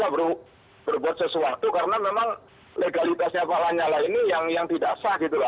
cuman kita saya sebagai lanyala tidak bisa berbuat sesuatu karena memang legalitasnya pak lanyala ini yang tidak sah gitu lah